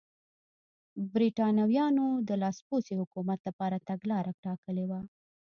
برېټانویانو د لاسپوڅي حکومت لپاره تګلاره ټاکلې وه.